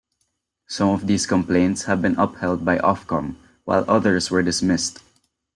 Some of these complaints have been upheld by Ofcom, while others were dismissed.